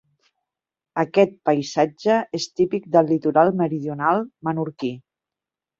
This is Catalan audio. Aquest paisatge és típic del litoral meridional menorquí.